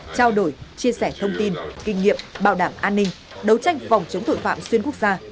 trao đổi chia sẻ thông tin kinh nghiệm bảo đảm an ninh đấu tranh phòng chống tội phạm xuyên quốc gia